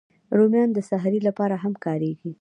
رومیان د سحري لپاره هم کارېږي